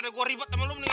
enggak bisa ditanya